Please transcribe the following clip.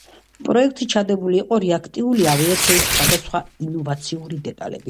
პროექტში ჩადებული იყო რეაქტიული ავიაციის სხვადასხვა ინოვაციური დეტალები.